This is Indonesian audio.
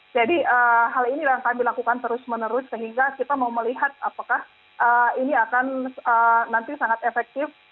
jadi hal ini yang kami lakukan terus menerus sehingga kita mau melihat apakah ini akan nanti sangat efektif